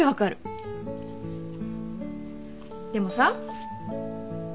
でもさ